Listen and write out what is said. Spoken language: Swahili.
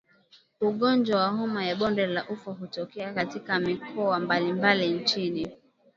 Ugonjwa wa homa ya bonde la ufa hutokea katika mikoa mbalimbali nchini